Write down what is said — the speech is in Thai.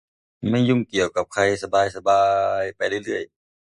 ไม่ยุ่งเกี่ยวกับใคร สบายสบายไปเรื่อยเรื่อย